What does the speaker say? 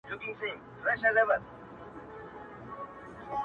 را سهید سوی _ ساقي جانان دی _